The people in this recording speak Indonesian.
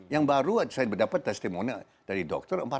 yang baru saya mendapatkan testimoni dari dokter